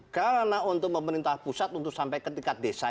karena untuk pemerintah pusat untuk sampai ke tingkat desa